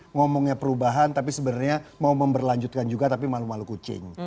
ngomongnya perubahan tapi sebenarnya mau memberlanjutkan juga tapi malu malu kucing